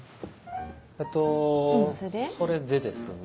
えっとそれでですね。